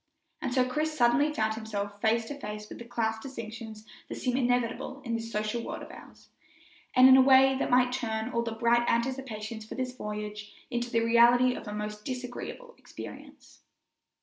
And so Chris suddenly found himself face to face with the class distinctions that seem inevitable in this social world of ours, and in a way that might turn all the bright anticipations for this voyage into the reality of a most disagreeable experience.